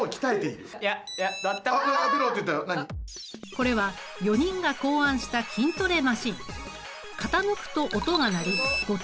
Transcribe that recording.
これは４人が考案した筋トレマシン。